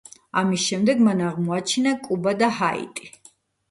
ამის შემდეგ მან აღმოაჩინა კუბა და ჰაიტი.